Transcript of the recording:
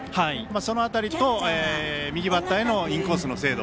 その辺りと右バッターへのインコースの精度